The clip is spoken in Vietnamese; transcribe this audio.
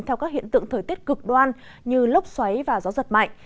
theo các hiện tượng thời tiết cực đoan như lốc xoáy và gió giật mạnh